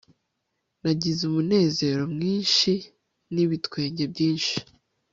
nagize umunezero mwinshi n ibitwenge byinshi